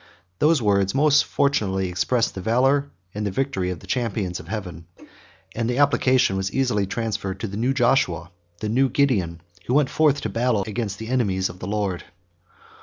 Those words most fortunately expressed the valor and victory of the champions of Heaven, and the application was easily transferred to the new Joshua, the new Gideon, who went forth to battle against the enemies of the Lord.